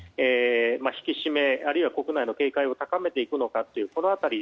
引き締め、あるいは国内の警戒を高めていくのかというこの辺り。